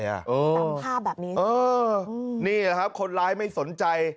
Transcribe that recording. จำภาพแบบนี้เออนี่แหละครับคนร้ายไม่สนใจ